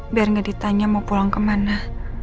biar nggak ditanya mau pulang kemana